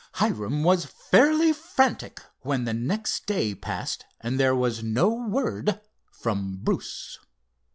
Hiram was fairly frantic when the next day passed, and there was no word from Bruce.